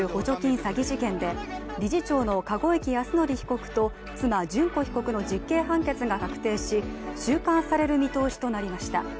詐欺事件で理事長の籠池泰典被告と、妻・諄子被告の実刑判決が確定し収監される見通しとなりました。